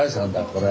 これ。